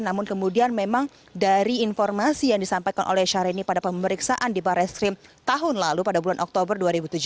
namun kemudian memang dari informasi yang disampaikan oleh syahrini pada pemeriksaan di barreskrim tahun lalu pada bulan oktober dua ribu tujuh belas